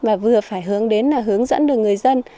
và vừa phải hướng đến là hướng dẫn được người dân